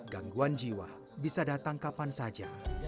gangguan jiwa bisa datang kapan saja